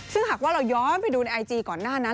ซึ่งหากว่าเราย้อนไปดูในไอจีก่อนหน้านั้น